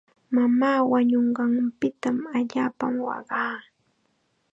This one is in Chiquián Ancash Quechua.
Mamaa wañunqanpita allaapam waqaa.